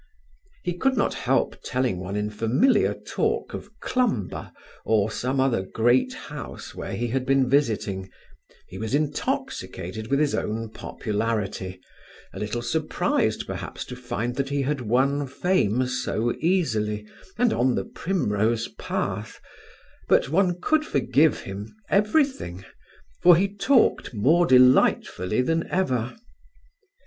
He could not help telling one in familiar talk of Clumber or some other great house where he had been visiting; he was intoxicated with his own popularity, a little surprised, perhaps, to find that he had won fame so easily and on the primrose path, but one could forgive him everything, for he talked more delightfully than ever.